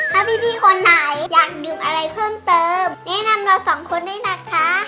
ถ้าพี่คนไหนอยากดื่มอะไรเพิ่มเติมแนะนำเราสองคนด้วยนะคะ